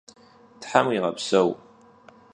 Them vuiğepseu!